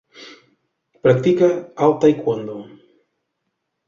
Practica el taekwondo.